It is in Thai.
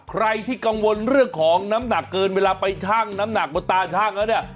ใครที่กังวลเรื่องของน้ำหนักเกินเวลาไปชั่งน้ำหนักบนตาชั่งแล้วเนี่ย